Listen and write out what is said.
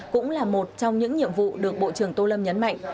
cũng là một trong những nhiệm vụ được bộ trưởng tô lâm nhấn mạnh